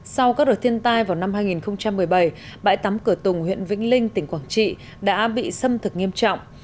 sau các đợt thiên tai vào năm hai nghìn một mươi bảy bãi tắm cửa tùng huyện vĩnh linh tỉnh quảng trị đã bị xâm thực nghiêm trọng